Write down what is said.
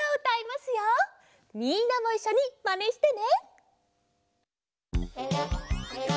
みんなもいっしょにまねしてね！